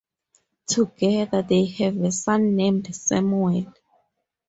Together, they have a son named Samuel.